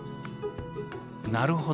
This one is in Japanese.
なるほど！